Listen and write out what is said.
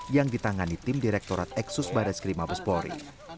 yang ditangani tim direktorat eksus bares krim mabes polri